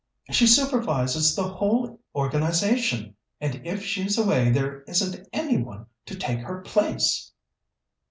"She supervises the whole organization, and if she's away there isn't any one to take her place."